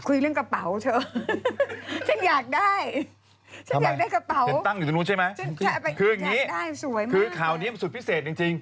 คุยเรื่องกระเป๋าเธอ